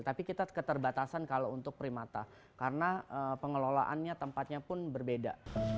tapi kita keterbatasan kalau untuk primata karena pengelolaannya tempatnya pun berbeda